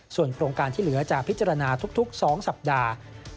ส่วนโครงการที่เหลือจะพิจารณาทุก๒สัปดาห์